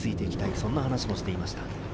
そんな話もしていました。